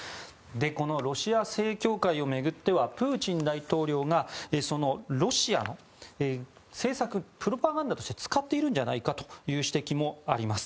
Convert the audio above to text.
このロシア正教会を巡ってはプーチン大統領がそのロシアの政策プロパガンダとして使っているんじゃないかという指摘もあります。